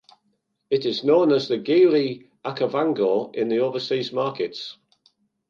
It is known as the Geely Okavango in overseas markets.